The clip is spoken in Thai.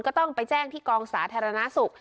ก็ต้องไปแจ้งที่กองสาธารณสุข